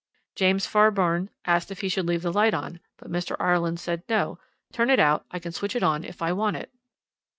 James Fairbairn asked if he should leave the light on, but Mr. Ireland said: 'No, turn it out. I can switch it on if I want it.'